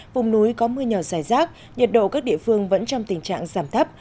vùng núi có mưa nhỏ dài rác nhiệt độ các địa phương vẫn trong tình trạng giảm thấp